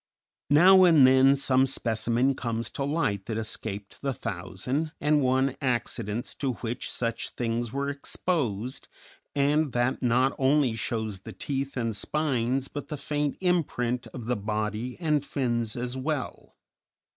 Now and then some specimen comes to light that escaped the thousand and one accidents to which such things were exposed, and that not only shows the teeth and spines but the faint imprint of the body and fins as well.